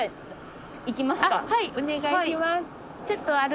はいお願いします。